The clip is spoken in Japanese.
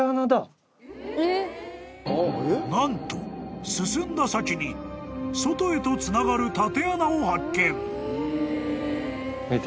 ［何と進んだ先に外へとつながる］